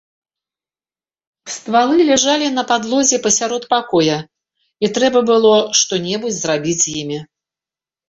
Ствалы ляжалі на падлозе пасярод пакоя, і трэба было што-небудзь зрабіць з імі.